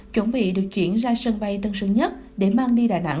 chuẩn bị được chuyển ra sân bay tân sơn nhất để mang đi đà nẵng